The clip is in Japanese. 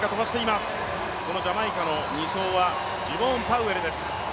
ジャマイカの２走はジェボーン・パウエルです。